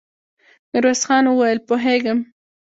ميرويس خان وويل: پوهېږم.